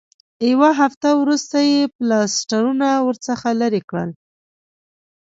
یوه هفته وروسته یې پلاسټرونه ورڅخه لرې کړل.